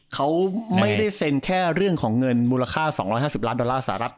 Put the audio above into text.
เขาไม่ได้เซ็นแค่เรื่องของเงินมูลค่า๒๕๐ล้านดอลลาร์สหรัฐ